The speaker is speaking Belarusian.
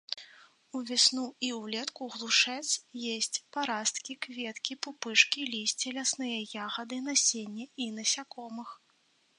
Увесну і ўлетку глушэц есць парасткі, кветкі, пупышкі, лісце, лясныя ягады, насенне і насякомых.